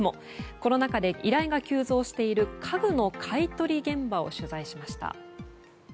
コロナ禍で依頼が急増している家具の買い取り現場を取材しました。